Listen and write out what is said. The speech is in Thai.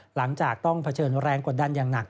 หลังจากต้องเผชิญแรงกดดันอย่างหนัก